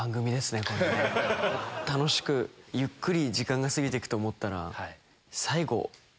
楽しくゆっくり時間が過ぎてくと思ったら。